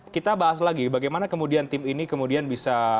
kita bahas lagi bagaimana kemudian tim ini kemudian bisa